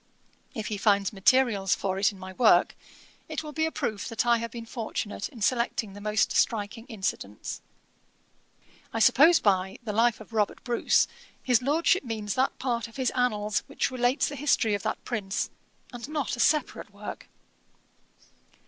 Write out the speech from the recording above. If he finds materials for it in my work, it will be a proof that I have been fortunate in selecting the most striking incidents." 'I suppose by The Life of Robert Bruce, his Lordship means that part of his Annals which relates the history of that prince, and not a separate work.